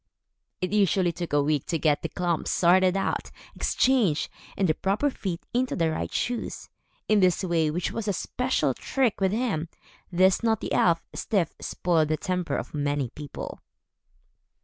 It usually took a week to get the klomps sorted out, exchanged, and the proper feet into the right shoes. In this way, which was a special trick with him, this naughty elf, Styf, spoiled the temper of many people.